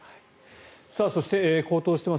そして、高騰しています